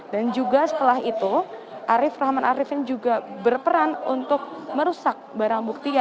dan juga setelah itu arief rahman arifin juga berperan untuk merusak barang bukti